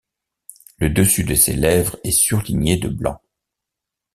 Le dessus de ses lèvres est surligné de blanc.